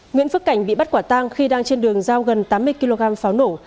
nguyễn phước cảnh bị bắt quả tang khi đang trên đường giao gần tám mươi kg pháo nổ